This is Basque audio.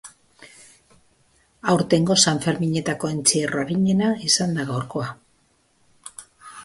Aurtengo sanferminetako entzierro arinena izan da gaurkoa.